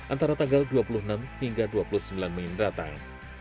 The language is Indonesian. antara tanggal dua puluh enam hingga dua puluh sembilan mei mendatang